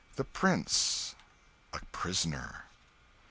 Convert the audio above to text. The Prince a prisoner.